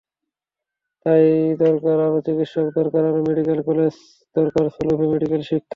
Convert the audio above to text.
তাই দরকার আরও চিকিৎসক, দরকার আরও মেডিকেল কলেজ, দরকার সুলভে মেডিকেল শিক্ষা।